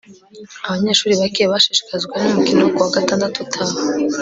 abanyeshuri bake bashishikajwe nu mukino kuwa gatandatu utaha